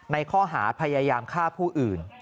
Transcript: ในข้อหาพยายามฆ่าผู้อื่น